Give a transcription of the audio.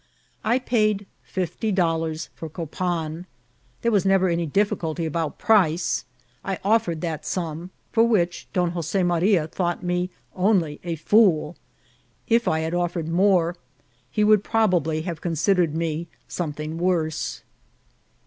I paid fifty dollars for Copan. There was never any dif&culty about price. I offered that sum, tat which Don Jose Maria thought me only a fool ; if I had ofiered more, he would prob ably have considered me something worse.